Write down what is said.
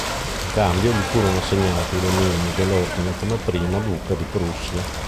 In cambio gli furono assegnati i domini dell'Ordine come Primo Duca di Prussia.